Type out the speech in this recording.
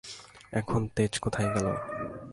এখন তেজ কোথায় গেল।